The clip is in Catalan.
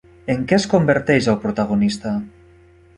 En què es converteix el protagonista?